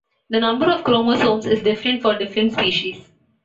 The number of chromosomes is different for different species.